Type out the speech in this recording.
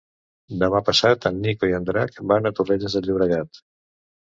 Demà passat en Nico i en Drac van a Torrelles de Llobregat.